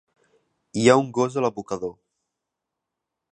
Hi ha un gos a l'abocador.